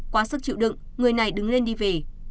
quá sức chịu đựng người này đứng lên đi về